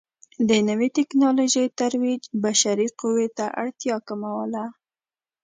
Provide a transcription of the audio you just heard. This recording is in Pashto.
د نوې ټکنالوژۍ ترویج بشري قوې اړتیا کموله.